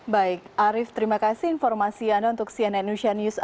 baik arief terima kasih informasi anda untuk cnn news